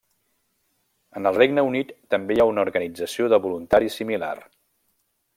En el Regne Unit també hi ha una organització de voluntaris similar.